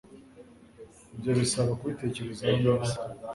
Ibyo bisaba kubitekerezaho neza